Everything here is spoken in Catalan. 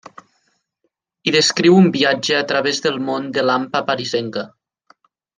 Hi descriu un viatge a través del món de l'hampa parisenca.